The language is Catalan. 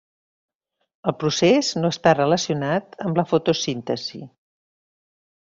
El procés no està relacionat amb la fotosíntesi.